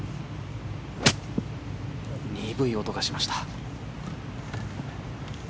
鈍い音がしました。